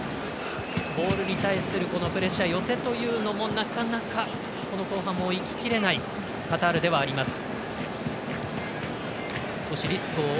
ボールに対するプレッシャー寄せというのもなかなか後半もいききれないカタールではあります。